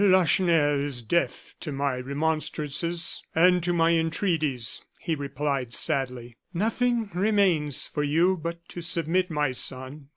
"Lacheneur is deaf to my remonstrances and to my entreaties," he replied, sadly. "Nothing remains for you but to submit, my son.